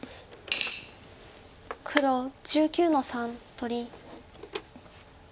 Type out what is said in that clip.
黒１９の三取り。